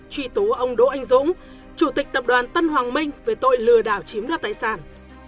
truy tố ông đỗ anh dũng chủ tịch tập đoàn tân hoàng minh về tội lừa đảo chiếm đoạt tài sản